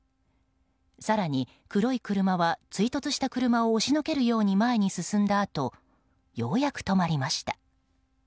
更に黒い車は追突した車を押しのけるように前に進んだあとようやく止まりました。